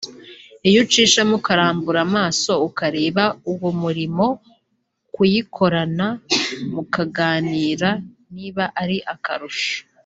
iyo ucishamo ukarambura amaso ukareba uwo murimo kuyikorana mukaganira biba ari akarusho